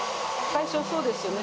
最初、そうですよね？